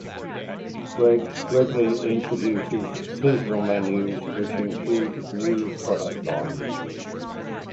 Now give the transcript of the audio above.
Greggs regularly introduces seasonal menus which include new product lines.